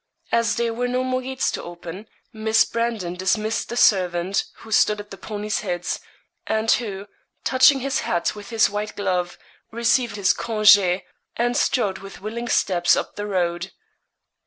As there were no more gates to open, Miss Brandon dismissed the servant, who stood at the ponies' heads, and who, touching his hat with his white glove, received his congé, and strode with willing steps up the road.